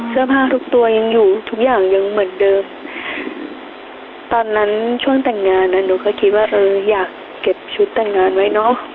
เสื้อผ้าทุกตัวยังอยู่ทุกอย่างยังเหมือนเดิมตอนนั้นช่วงแต่งงานอ่ะหนูก็คิดว่าเอออยากเก็บชุดแต่งงานไว้เนอะ